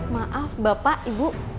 maaf bapak ibu